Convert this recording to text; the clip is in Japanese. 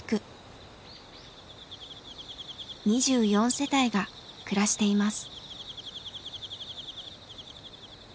２４世帯が暮らしています。